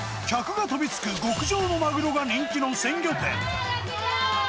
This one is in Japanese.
客が飛びつく極上のマグロが人気の鮮魚店。